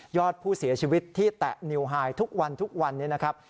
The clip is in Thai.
อดผู้เสียชีวิตที่แตะนิวไฮทุกวันทุกวันนี้นะครับ